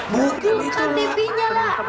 tuduhkan tv nya lah